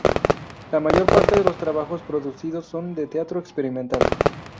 La mayor parte de los trabajos producidos son de teatro experimental.